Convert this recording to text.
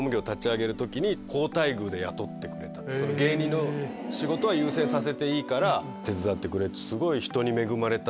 芸人の仕事は優先させていいから手伝ってくれ！って。